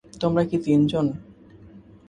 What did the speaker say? তোমরা কি তিনজন?